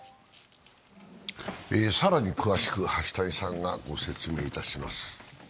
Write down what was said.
更に詳しく橋谷さんが御説明いたします。